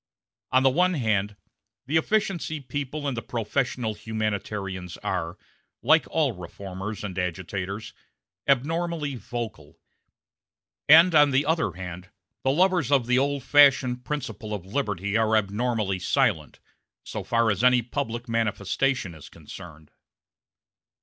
On the one hand, the efficiency people and the professional humanitarians are, like all reformers and agitators, abnormally vocal; and on the other hand the lovers of the old fashioned principle of liberty are abnormally silent, so far as any public manifestation is concerned.